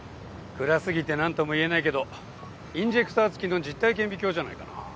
暗過ぎて何とも言えないけどインジェクター付きの実体顕微鏡じゃないかな。